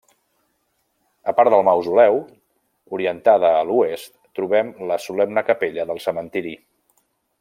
A part del mausoleu, orientada a l'oest trobem la solemne capella del cementiri.